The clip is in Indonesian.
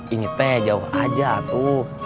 ini teh jauh aja tuh